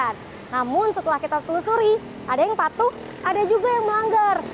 namun setelah kita telusuri ada yang patuh ada juga yang melanggar